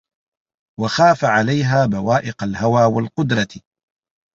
وَخَافَ عَلَيْهَا بَوَائِقَ الْهَوَى وَالْقُدْرَةِ